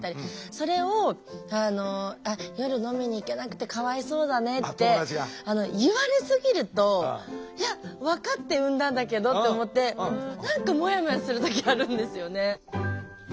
それをあの「夜飲みに行けなくてかわいそうだね」って言われすぎると「いや分かって産んだんだけど」って思って何かもやもやする時あるんですよね。